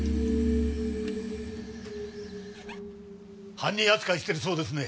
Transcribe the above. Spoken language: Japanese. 犯人扱いしてるそうですね